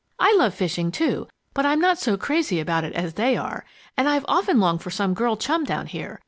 "I love fishing, too, but I'm not so crazy about it as they are, and I've often longed for some girl chum down here.